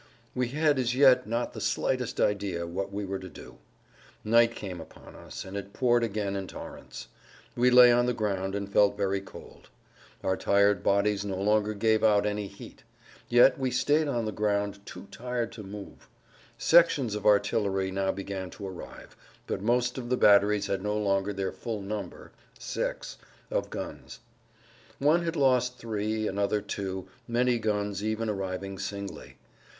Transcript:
We had as yet not the slightest idea what we were to do. Night came upon us, and it poured again in torrents. We lay on the ground and felt very cold. Our tired bodies no longer gave out any heat. Yet we stayed on the ground too tired to move. Sections of artillery now began to arrive, but most of the batteries had no longer their full number (6) of guns. One had lost three, another two; many guns even arriving singly.